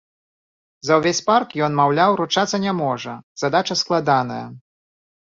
За ўвесь парк ён, маўляў, ручацца не можа, задача складаная.